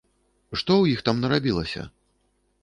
Што ў іх там нарабілася?